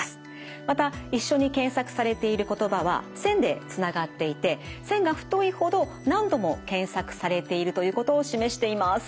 また一緒に検索されている言葉は線でつながっていて線が太いほど何度も検索されているということを示しています。